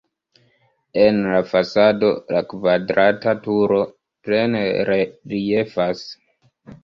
En la fasado la kvadrata turo plene reliefas.